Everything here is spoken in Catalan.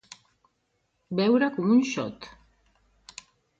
Beure com un xot.